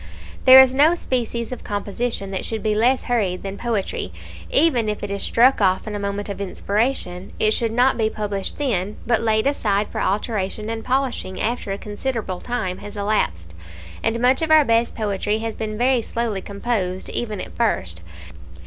There is no species of composition that should be less hurried than poetry. Even if it is struck off in a moment of inspiration, it should not be published then, but laid aside for alteration and polishing after a considerable time has elapsed; and much of our best poetry has been very slowly composed, even at first.